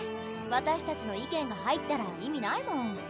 私たちの意見が入ったら意味ないもん。